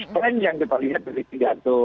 plan yang kita lihat dari pidato